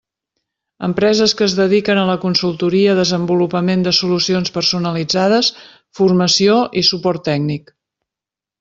Empreses que es dediquen a la consultoria, desenvolupament de solucions personalitzades, formació i suport tècnic.